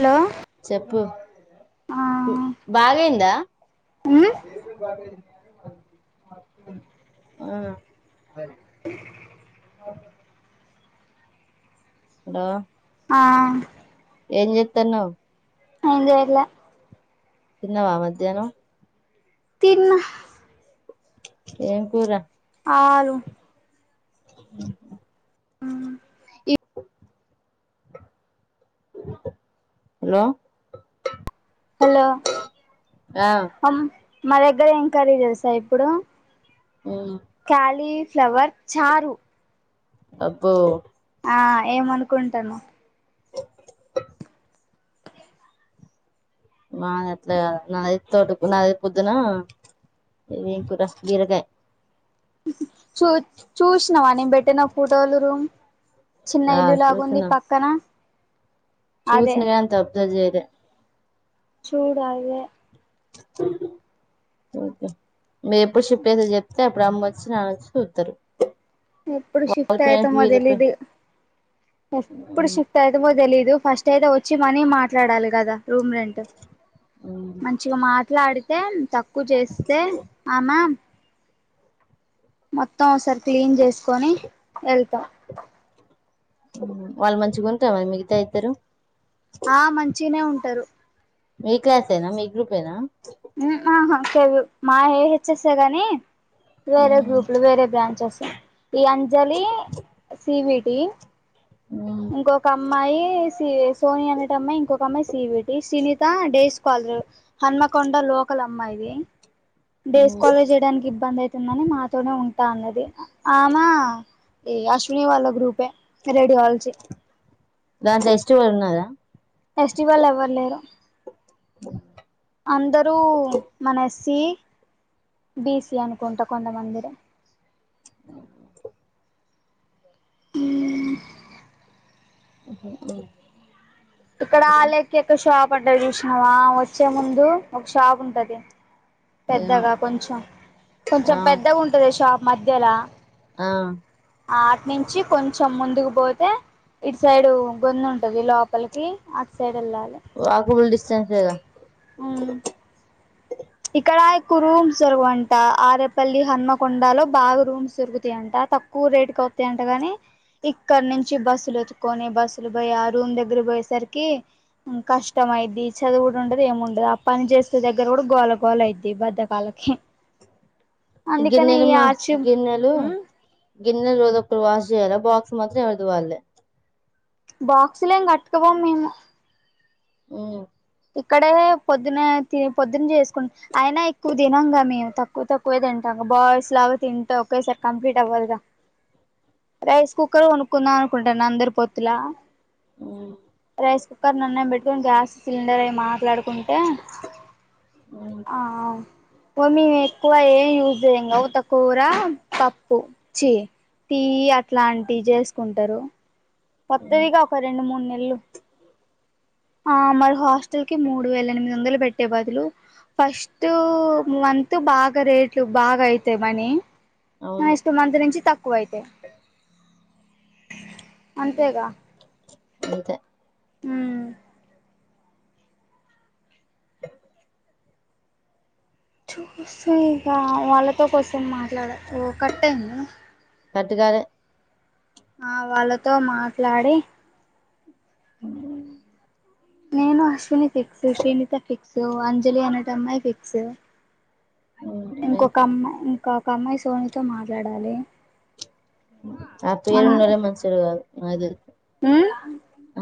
Hello చెప్పు ఆ బాగయిందా ఉమ్ ఆ హలో ఆ ఏం చెత్తన్నవు ఏం చేయట్లే తిన్నవా మధ్యాహ్నం తిన్న ఏం కూర ఆలు ఈ హలో హలో ఆ మా దగ్గర ఎం కర్రీ తెలుసా ఇప్పుడు ఉ క్యాలీఫ్లవర్ చారు అబ్బో ఆ ఏమనుకుంటానవ్ మాది [unintelligible] నాది తోట నాదిది పొద్దున ఇం కూర బీరకాయ చు చూసినావా నేను పెట్టిన ఫోటోలు [unintelligible] చిన్న ఆ ఇల్లులాగుంది పక్కన అదే చూసినా [unintelligible] అంత అబ్జర్వ్ చేయలే చూడు అవే ఓకే మీరు ఎప్పుడు షిప్ట్ చేసే చెప్తే అప్పుడు అమ్మొచ్చి నాన వచ్చి చూత్తరు ఎప్పుడు వాళ్ళ షిఫ్ట్ పేరెంట్స్ అయితమో వీళ్ళ తెలీదు పేరెంట్స్ ఎప్పుడు షిఫ్ అయి తెలీదు ఫస్ట్ అయితే వచ్చి మనీ మాట్లాడాలి కదా రూమ్ రెంట్ మగా మాట్లాడితే తక్కువ చేస్తే ఆమా మొత్తం ఒసారి క్లీన్ చేసుకొని వెళ్త వాళ్ళు మంచిగుంటా మ మిగతా ఇద్దరు ఆ మంచిగనే ఉంటారు మీ క్లాస్ ఎన మీ గ్రూప్ ఏన ఆహ చె మా ఏ హెచ్చేసా గాని వేరే మ్ గ్రూపులు వేరే బ్రాంచెస్ ఈ అంజలి సివిటి అ ఇంకొక అమ్మాయి సి [unintelligible] సోని అనేటి అమ్మాయి ఇంకొక అమ్మాయి సీవిటి Sunitha days scholar Hanamkonda local అ అమ్మాయిది ది డేస్ కాలేజ్ చేయడానికి ఇబ్బంది అయి [unintelligible] మాతోనే ఉంటా అన్నది ఆమా ఈ అశ్విని వాళ్ళ గ్రూపె [unintelligible] [unintelligible] ఫెస్టివల్ ఎవరు లేరు అందరూ మన [unintelligible] సి బీసి అనుకుంటా కొంతమంది [unintelligible] హు ఉఓహ ఇక్కడ అలేక్యక ఒక షాప్ అంట చూసినావా వచ్చే ముందు ఒక షాప్ ఉంటది ఏమో పెద్దగా కొంచెం కొంచెం ఆ పెద్దగా ఉంటంది షాప్ మధ్యల ఆ అట్న్నించి నుంచి కొంచెం ముందుకు పోతే ఇటు సైడ్ గొందు ఉంటది లోపలికి అటు సైడ్ వెళ్ళాలే [unintelligible] అ ఇక్కడ ఎక్కువ రూమ్స్ దొరగవంట ఆరేపల్లి హన్మకొండ లో బాగా రూమ్స్ దొరుగుతాయంట తక్ కూర రేటుకి వతాయంటగాని ఇక్కడ నుంచి బస్సులు ఎతుకొని బస్సులు పోయి ఆ రూమ్ దగ్గర పోయేసరికి కష్టం అయ్యిద్దీ చదువుడు ఉండది ఏముండదు ఆ పని చేస్తే దగ్గర కూడ గోల గోల [unintelligible] బద్ధకలకి గిన్నెలు మా ఆర్చి గిన్నెలు గిన్నెల రోజు ఒకరు వాష్ చేయాలా బాక్స్ మాత్రం ఎవరది వాళ్ళే బాక్సులుం ఎం కట్టుకపోము మేము ఉ ఇక్కడే పొద్దున్న పొద్దున్న చేసుకుంటా. అయినా ఎక్కువ తినంగా మేము తక్కువ తక్కువే తింటాం బాయ్స్ లాగా తింటే ఒకేసారి కంప్లీట్ అవ్వదుగా. రైస్ కుక్కరే కొనుక్కుందామనుకుంటున్నా అందరి పొత్తులా. ఉమ్. రైస్ కుక్కర్లో అన్నం పెట్టుకొని గ్యాస్ సిలిండర్యే మాట్లాడుకుంట. ఉమ్ ఆహ్ ఆహ్ పోని. తక్కువేం యూజ్ చేయంగా త. కూర పప్పు చీ టీ అట్లాంటివి చేసుకుంటారు. ఒత్తాయిగ ఒక రెండు మూడు నెలలు. ఆహ్ మరి హాస్టల్ కి మూడు వేల ఎనిమిది వందలు పెట్టే బదులు. ఫస్ట్ మంత్ బాగా రేట్లు బాగా అయితాయి మనీ. అవును ఫస్ట్ మంత్ నుంచి తక్కువ అయితాయ్ అంతేగా. అంతే. ఉమ్మ్ చూస్తా ఇగ వాళ్ళతో కోసం మాట్లాడాలి ఓ కట్టయిందా సత్తి గారె. ఆహ్ వాళ్ళతో మాట్లాడి. ఉమ్. నేను అశ్విని ఫిక్స్ శ్రీనిత ఫిక్స్ అంజలి అనేటామే ఫిక్స్ ఉమ్ ఇంకొక అమ్మాయి ఇంకొక అమ్మాయి సోనితో మాట్లాడాలి. ఉమ్ అన్ అప్పుచేయనివాడే మంచోడుగాదు ఆహ్ అది ఉమ్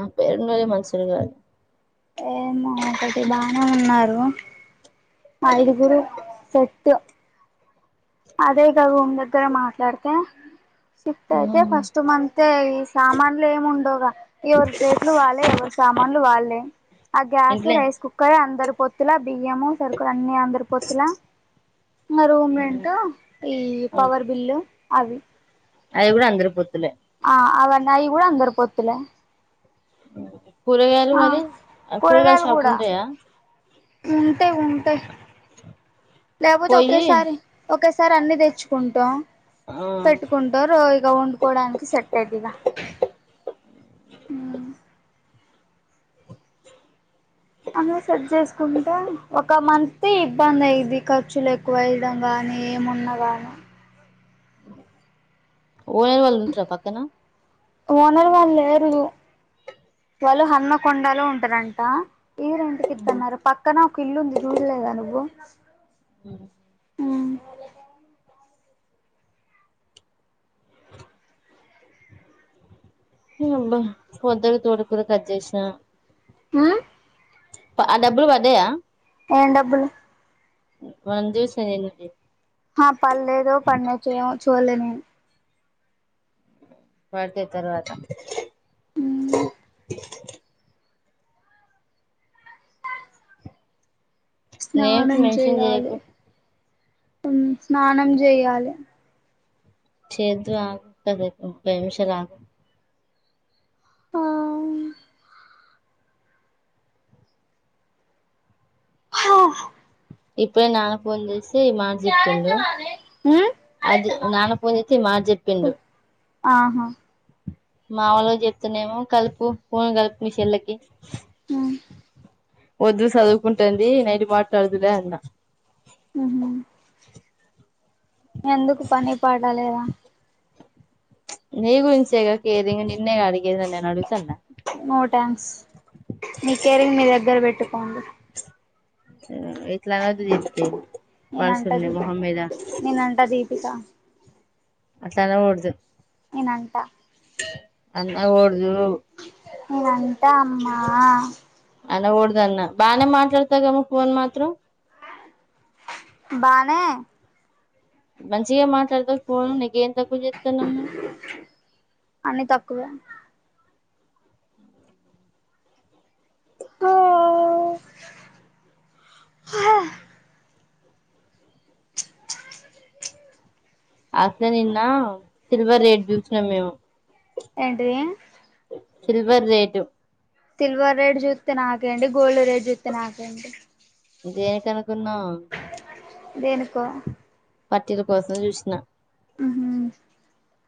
ఆ పేరు మీద మనుషులు కారు. ఏమో ఒకటి బానే ఉన్నారు. ఐదుగురు సెట్. అదేగా రూమ్ దగ్గర మాట్లాడితే షిఫ్ట్ అయితే ఉమ్ ఫస్ట్ మంత్ అయితే ఈ సామాన్లు ఏమి ఉండవుగా ఎవరి ప్లేట్లు వాళ్ళే ఎవరు సామాన్లు వాళ్ళే. ఆహ్ గ్యాస్ ఇంట్లే రైస్ కుక్కర్ అందరు పోత్తులా బియ్యము సరుకులు అన్ని అందరి పొత్తులా. రూమ్ రెంట్ ఈ పవర్ బిల్లు అవి. అవి కూడా అందరి పొత్తులే. ఆహ్ అవన్ని అవి కూడా అందరి పొత్తులే. కూరగాయలు ఆ మరి ఆహ్ కూరగాయల కూరగాయలు షాపులు కూడా ఉంటాయ. ఉంటాయి ఉంటాయి లేకపోతే పోయి ఒకేసారి. ఒకే సారి అన్ని తెచ్చుకుంటాం ఆ పెట్టుకుంటాం. అందరు ఇగ వండుకోవడానికి సెట్ అయ్యొద్ది ఇగా. అందరూ సెట్ చేసుకుంటే ఒక మంత్ ఇబ్బంది అయిద్ది ఖర్చులు ఎక్కువై. రం కానీ ఏమున్నా కానీ. ఓ వేరే వాళ్ళు ఉంటార పక్కన. ఓనర్ వాళ్ళు లేరు. వాళ్ళు హన్మకొండలో ఉంటారంట ఇది రెంట్. రెంటుకిత్తా అన్నారు పక్కన ఒక ఇల్లు ఉంది చూడలేదా నువ్వు. ఉమ్. ఉమ్ అబ్బా పొద్దున తోటకూర కట్ చేసినా. ఆహ్. ఆ డబ్బులు పడ్డాయా ఏం డబ్బులు వంద్ దిసేనుతే [unintelligible] ఆ పడలేదు పడినయో ఏమో చూడలే నేను పడితయి తర్వాత ఉమ్ నేమ్స్ స్నానం మెన్షన్ చేయాలి చేయకు ఉం స్నానం చేయాలి చేదువు ఆగు పది నీమిషాలు ఆగు ఆ హ ఇప్పుడే నానపోన్ చేసి ఈ మాట చెప్పిండు అది నాన్న ఫోన్ చేస్తే ఈ మాట చెప్పిండు ఆహా మా వాళ్ళకి చెప్తేనేమో కలుపు పోను కలుపు మీ చెల్లకి ఆ వద్దు చదువుకుంటుంది నైట్ మాట్లాడుదులే అన్నా ఉహు ఎందుకు పని పాటలేదా నీ గురించే గా కేరింగ్ నిన్నేగ అడిగేది అని నేనుడుగు తున్న నో ట్యాంక్స్ మీ కేరింగ్ మీ దగ్గర పెట్టుకోండి ఇట్లా అనొద్దు దీప్తి నేనంట మనుషుల్ని దీ మొహం మీద నేనంట దీపిక అట్లా అనకూడదు నేనంటా అనకూడదు నేను అంట అమ్మా అనకూడదు అన్న బానే మాట్లాడతాగ ఫోన్ మాత్రం బానే మంచికే మాట్లాడుతున్నావ్ ఫోను నీకేం తక్కువ చేస్తున్నావ్ మేము అన్ని తక్కువే హ హ అట్లే నిన్న సిల్వర్ రేట్ చూసినం మేము ఏంటిది సిల్వర్ రేటు సిల్వర్ రేట్ చూస్తే నాకేండి గోల్డ్ రేట్ చూస్తే నాకేంటి దేనికి అనుకున్నావు దేనీకో పటీల కోసం చూసిన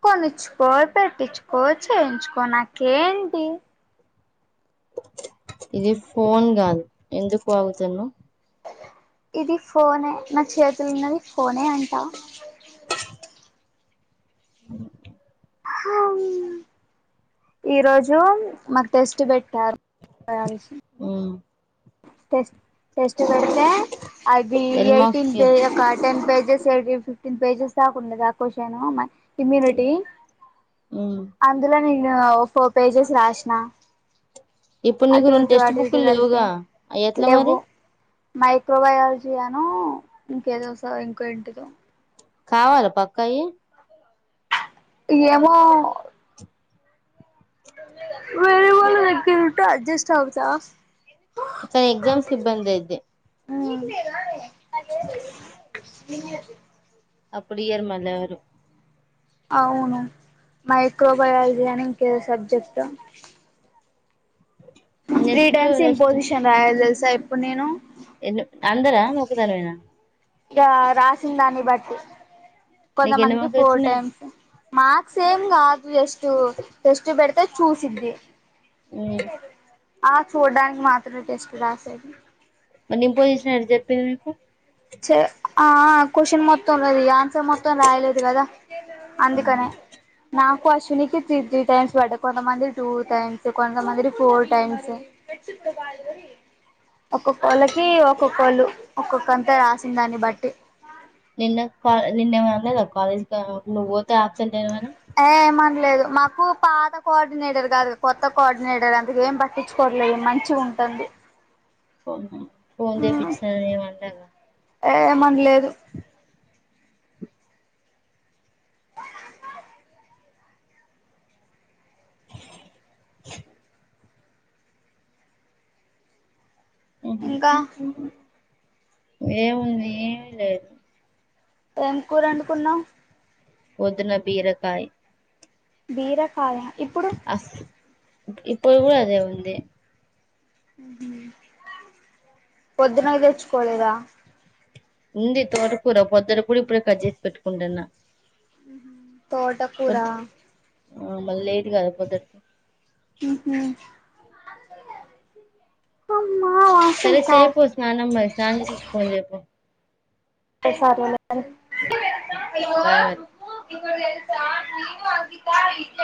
కొనుచుకో పెట్టించుకో చేయించుకో నాకేంటి ఇది ఫోన్ కాదు ఎందుకు వాగుతున్నావ్ ఇది ఫోనే నా చేతులు ఉన్నది ఫోనే అంటా అ హమ్ ఈ రోజు మాకు టెస్ట్ పెట్టారు ఉం టెస్ట్ టెస్ట్ పెడితే అది ఎన్ మార్క్స్ ఎయిటీన్ కి పే ఒక టెన్ పేజెస్ టీ ఫిఫ్టీన్ పేజెస్ దాకు ఉండదు ఆ క్వషన్ మ తిమ్మిబట్టి ఉమ్ [unintelligible] అందుల నేను ఫోర్ పేజెస్ రాశిన ఇప్పుడు నీకు అటు రెండు ఇటు టెక్స్ట్ అటు ఇటు బుక్లు కలిపి లేవుగా అవి ఎట్లా మరి లెవ్వు మైక్రోబయాలజీ అను ఇంకేదో స ఇకేంటిదో కావాల పక్కయి ఏమో ఓత్ మ ఇంకా అడ్జెస్ట్ అవుతా! స ఎక్సామ్స్ కి ఇబ్బంది అయితే ఆ [inaudible] రావే [unintelligible] అప్పుడు ఇయ్యర్ మళ్ళ వారు అవును మైక్రోబయాలజీ అని ఇంకేదో subject three next times next imposition రాయాలి తెలుసా ఇప్పుడు నేను ఎన్ అందరా నువ్వు ఒకదానివేన ఇగ రాసిన దాన్ని బట్టి నీకు ఎన్ని కొంతమందికి మార్కులు ఫోర్ వచ్చినాయి టైమ్స్ మార్క్స్ సేమ్ గాదు జెస్ట్ టెస్ట్ బెడితే చూసిద్ది. ఆ చూడడానికి మాత్ర టెస్ట్ రాసేది. నింపోజిషనరీ జెప్పింది ఎందుక్ చే ఆఆ క్వశ్చన్ మొత్ తొందరగా ఇగ ఆన్సర్ మొత్తం రాయలేదు గదా అందుకనే నాకు అశ్వినికి త్రీ త్రీ టైమ్స్ పడ్డ కొంతమంది టూ టైమ్స్ కొంతమంది ఫోర్ టైమ్స్ ఒక్కొక్కళ్ళకి ఒక్కొక్కళ్ళు ఒక్కొక్క అంతా రాసిన దాన్ని బట్టి నిన్న కా నిన్న ఏమన్న అనలే గదా కాలేజ్ కి ఆమె పోతుంది. నువ్ పోతే ఆబ్సెంట్ ఐనవనీ ఏ ఏమనలేదు మాకు పాత కోఆర్డినేటర్ కాదు కొత్త కోఆర్డినేటర్ అందుకే ఏం పట్ తెచ్చుకోవట్లేదు మంచిగుంటంది. పోను ఫోన్ జేపించ్చీనవేమో అంటరు. ఏమన్లేదు. ఇంకా! ఏముంది ఏమిలేదు ఏం కూరఅండుకున్నావ్? పొద్దున బీరకాయి. బీరకాయ ఇప్పుడు అస్ ఇప్పుడు గూడ అదే ఉంది. ఉ పొద్దున తెచ్చుకోలేదా! ఉంది తోటకూర పొద్దుటి కి గూడ ఇప్పుడే కట్ చేసి పెట్టుకుంటాన. తోట పొద్ ఆ మళ్ళ లేట్ గాదా పొద్దటి ఉహు సరే చేపో స్నానం మరి స్నానం చేసచ్చీ ఫోన్ చేయిపో సరేలే మరి బాయ్ మరి ఎా నను అత